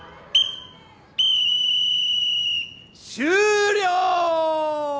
終了！